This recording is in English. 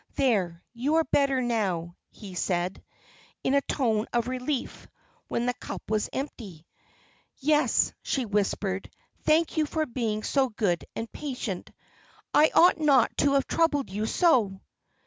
"There, you are better now," he said, in a tone of relief, when the cup was empty. "Yes," she whispered. "Thank you, for being so good and patient. I ought not to have troubled you so."